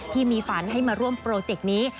ที่มีฝันให้มาร่วมโปรเจกต์นี้